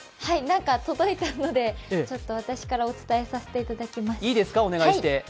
なんか届いたので私からお伝えさせていただきます。